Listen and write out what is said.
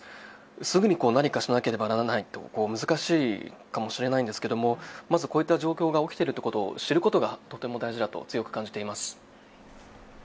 すぐに何かしなければならないと、難しいかもしれないんですけどまずこういった状況が起きていることを知ることがとても大事だと強く感じています。